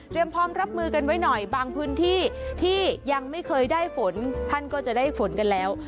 พร้อมรับมือกันไว้หน่อยบางพื้นที่ที่ยังไม่เคยได้ฝนท่านก็จะได้ฝนกันแล้ว